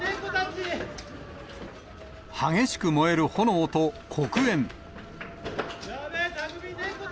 激しく燃える炎と黒煙。